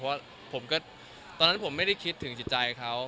เพราะผมก็ตอนนั้นผมไม่ได้คิดถึงจิตใจเขา